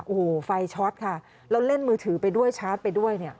โอ้โหไฟช็อตค่ะแล้วเล่นมือถือไปด้วยชาร์จไปด้วยเนี่ย